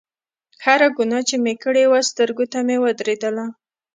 هره ګناه چې مې کړې وه سترګو ته مې ودرېدله.